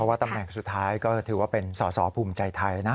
ว่าตำแหน่งสุดท้ายก็ถือว่าเป็นสอสอภูมิใจไทยนะ